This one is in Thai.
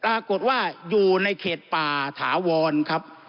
ปรากฏว่าอยู่ในเขตป่าถาวรครับ